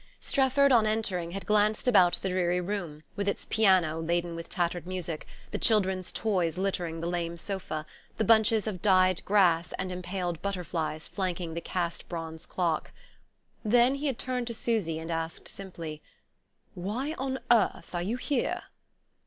Strefford, on entering, had glanced about the dreary room, with its piano laden with tattered music, the children's toys littering the lame sofa, the bunches of dyed grass and impaled butterflies flanking the cast bronze clock. Then he had turned to Susy and asked simply: "Why on earth are you here?"